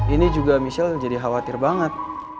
ini juga michelle jadi khawatir banget